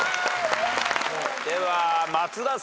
では松田さん。